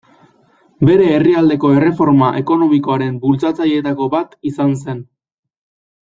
Bere herrialdeko erreforma ekonomikoaren bultzatzaileetako bat izan zen.